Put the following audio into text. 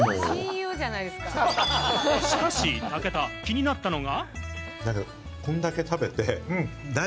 しかし、武田、気になったのが。